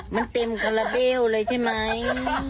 มันเต็มคาราเบลเลยใช่ไหม